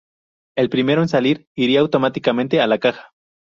El primero en salir iría automáticamente a la caja.